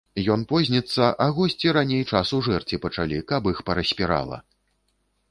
Ён позніцца, а госці раней часу жэрці пачалі, каб іх параспірала.